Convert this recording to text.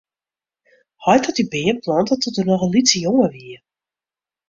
Heit hat dy beam plante doe't er noch in lytse jonge wie.